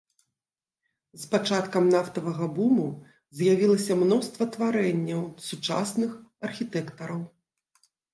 З пачаткам нафтавага буму з'явілася мноства тварэнняў сучасных архітэктараў.